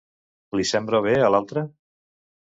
Li sembla bé, a l'altre?